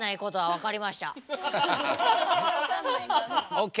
ＯＫ。